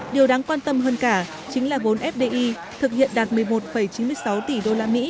điều đáng quan tâm hơn cả chính là vốn fdi thực hiện đạt một mươi một chín mươi sáu tỷ usd